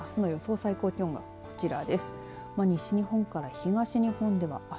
最高気温がこちらです。